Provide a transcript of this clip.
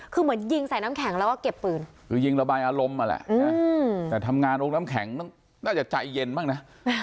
คือเหมือนยิงใส่น้ำแข็งแล้วก็เก็บปืนคือยิงระบายอารมณ์มาแหละแต่ทำงานโรงน้ำแข็งน่าจะใจเย็นบ้างนะ